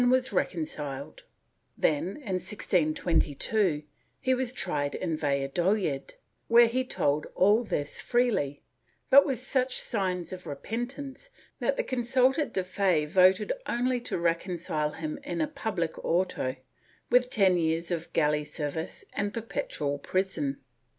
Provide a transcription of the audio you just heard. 456 PROTESTANTISM [Book VIII tried in Valladolid, where he told all this freely, but with such signs of repentance that the consulta de fe voted only to reconcile him in a public auto, with ten years of galley service and per petual prison.